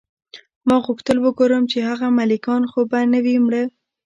ما غوښتل وګورم چې هغه ملکیان خو به نه وي مړه